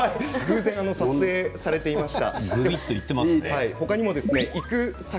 撮影されていました。